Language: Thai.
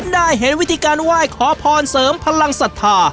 ได้เห็นวิธีการไหว้ขอพรเสริมพลังศรัทธา